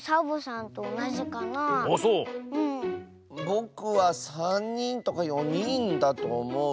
ぼくはさんにんとかよにんだとおもう。